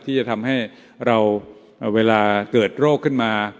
ที่จะทำให้เราเวลาเกิดโรคขึ้นมา